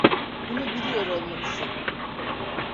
Bunu biliyor olmalısın.